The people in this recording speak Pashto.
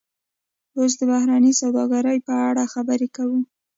اوس د بهرنۍ سوداګرۍ په اړه خبرې کوو